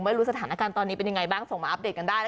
รู้สถานการณ์ตอนนี้เป็นยังไงบ้างส่งมาอัปเดตกันได้